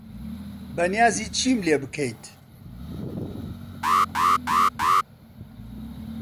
بەنیازی چیم لێ بکەیت؟